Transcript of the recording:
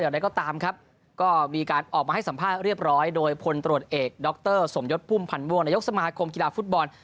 ดรสมยศพุ่มพันธ์ม่วงนายกสมาคมกีฬาฟุตบอล